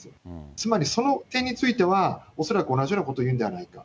つまりその点については、恐らく同じようなことを言うんじゃないか。